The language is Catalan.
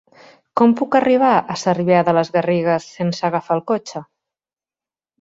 Com puc arribar a Cervià de les Garrigues sense agafar el cotxe?